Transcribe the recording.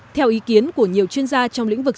theo ý kiến của nhiều chuyên gia trong lĩnh vực